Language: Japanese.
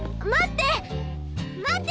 待って！